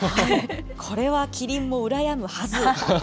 これはキリンも羨むはず。